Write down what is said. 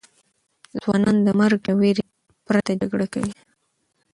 ځوانان د مرګ د ویرې پرته جګړه کوي.